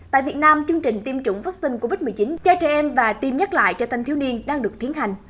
tại việt nam chương trình tiêm chủng vaccine covid một mươi chín cho trẻ em và tiêm nhắc lại cho thanh thiếu niên đang được tiến hành